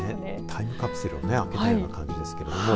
タイムカプセルをね開けたような感じですけれども。